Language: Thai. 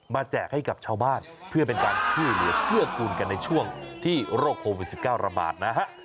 แจกให้กับชาวบ้านเพื่อเป็นการช่วยเหลือเกื้อกูลกันในช่วงที่โรคโควิด๑๙ระบาดนะฮะ